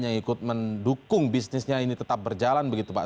yang ikut mendukung bisnisnya ini tetap berjalan begitu pak